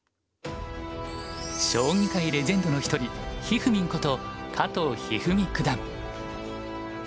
将棋界レジェンドの一人ひふみんこと加藤一二三九段。